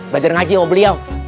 belajar ngaji sama beliau